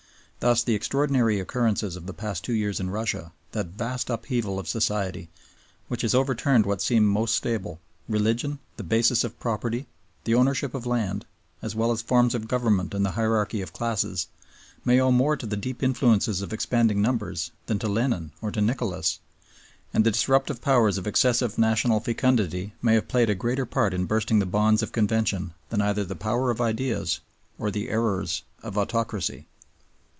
Thus the extraordinary occurrences of the past two years in Russia, that vast upheaval of Society, which has overturned what seemed most stable religion, the basis of property, the ownership of land, as well as forms of government and the hierarchy of classes may owe more to the deep influences of expanding numbers than to Lenin or to Nicholas; and the disruptive powers of excessive national fecundity may have played a greater part in bursting the bonds of convention than either the power of ideas or the errors of autocracy.